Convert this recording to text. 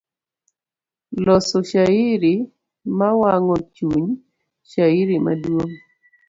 Loso shairi, mawang'o chuny, shairi maduong'.